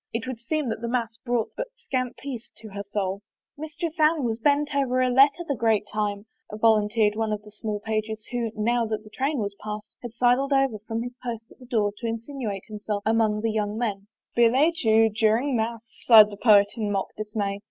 ... It would seem that the mass brought but scant peace to her soul." " Mistress Anne was bent over a letter the great time," volunteered one of the small pages, who, now that the train was past, had sidled over from his post at the door to insinuate himself among the young men. " Billet doux during mass !" sighed the poet in mock dismay.